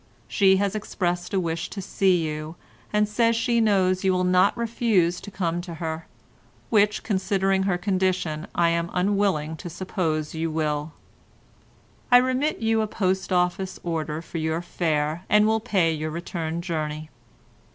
She has expressed a wish to see you, and says she knows you will not refuse to come to her, which, considering her condition, I am unwilling to suppose you will. "I remit you a Post Office order for your fare, and will pay your return journey.